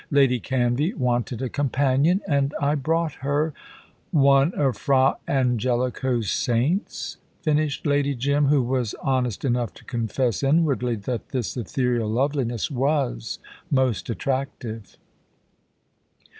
"Lady Canvey wanted a companion, and I brought her " "One of Fra Angelico's saints," finished Lady Jim, who was honest enough to confess inwardly that this ethereal loveliness was most attractive.